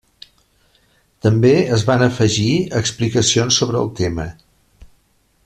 També es van afegir explicacions sobre el tema.